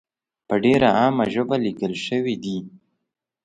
په ډېره عامه ژبه لیکل شوې دي.